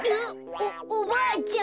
おおばあちゃん。